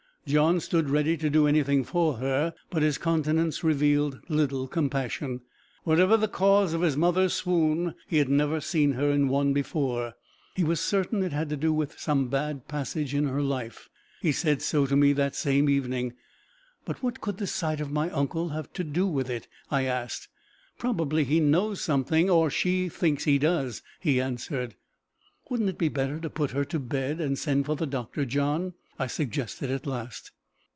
John stood ready to do anything for her, but his countenance revealed little compassion. Whatever the cause of his mother's swoon he had never seen her in one before he was certain it had to do with some bad passage in her life. He said so to me that same evening. "But what could the sight of my uncle have to do with it?" I asked. "Probably he knows something, or she thinks he does," he answered. "Wouldn't it be better to put her to bed, and send for the doctor, John?" I suggested at last.